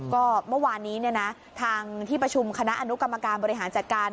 ก็เมื่อวานนี้ทางที่ประชุมคณะอนุกรรมการบริหารจัดการ